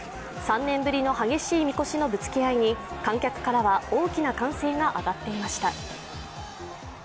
３年ぶりの激しいみこしのぶつけ合いに観客からは大きな歓声が上がっていました。